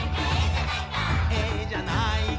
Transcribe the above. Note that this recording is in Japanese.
「ええじゃないか」